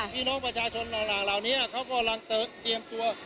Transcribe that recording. พี่น้องประชาชนเหล่านี้เขากำลังเตรียมตัว